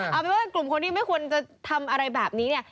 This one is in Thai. เอาเป็นว่ากลุ่มคนที่ไม่ควรจะทำอะไรแบบนี้เนี่ย